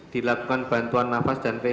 dilakukan bantuan nafas dan pesu